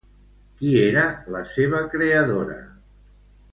Qui era la seva creadora?